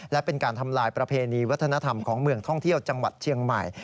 และเป็นการทำลายประเพณีวัฒนธรรมของเมืองท่องเที่ยวจังหวัดเชียงใหม่